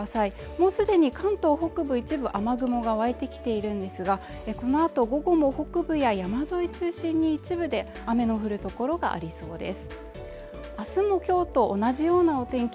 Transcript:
もう既に関東北部一部雨雲が湧いてきているんですがこのあと午後も北部や山沿い中心に一部で雨の降るところがありそうです。